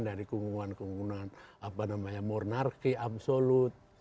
dari kungkungan kungkungan apa namanya monarki absolut